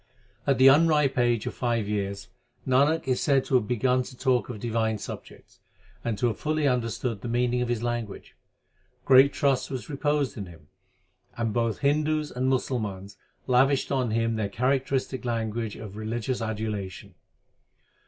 At the unripe age of five years Nanak is said to have begun to talk of divine subjects, and to have fully understood the meaning of his language. Great trust was reposed in him ; and both Hindus and Musalmans lavished on him their characteristic language of religious adulation.